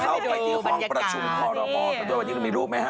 เข้าไปกินที่ห้องประชุมโคลโลโมด้วยวันนี้มีรูปไหมฮะ